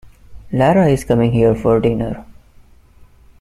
Lara is coming here for dinner.